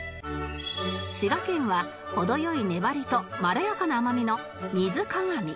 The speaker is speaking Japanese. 滋賀県は程良い粘りとまろやかな甘みのみずかがみ